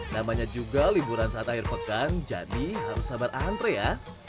namanya juga liburan saat akhir pekan jadi harus sabar antre ya